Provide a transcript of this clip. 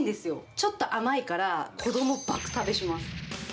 ちょっと甘いから、子ども、爆食べします。